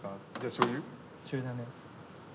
しょうゆだね。